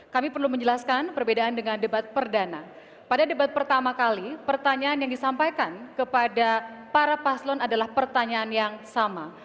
kami perlu menjelaskan perbedaan dengan debat perdana pada debat pertama kali pertanyaan yang disampaikan kepada para paslon adalah pertanyaan yang sama